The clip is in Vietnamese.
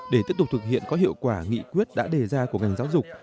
để tiếp tục thực hiện có hiệu quả nghị quyết đã đề ra của ngành giáo dục